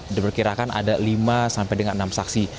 diperkirakan ada lima sampai dengan enam saksi